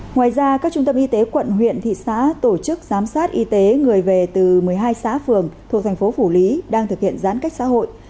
ngoài ra các trung tâm y tế quận huyện thị xã tổ chức giám sát y tế người về từ một mươi hai xã phường thuộc thành phố phủ lý đang thực hiện giãn cách xã hội